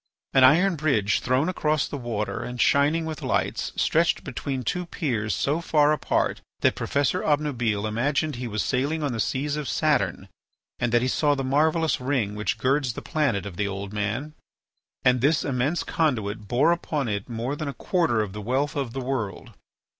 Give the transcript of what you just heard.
An iron bridge thrown across the water and shining with lights, stretched between two piers so far apart that Professor Obnubile imagined he was sailing on the seas of Saturn and that he saw the marvellous ring which girds the planet of the Old Man. And this immense conduit bore upon it more than a quarter of the wealth of the world.